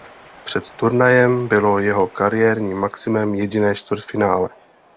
Před turnajem bylo jeho kariérním maximem jediné čtvrtfinále.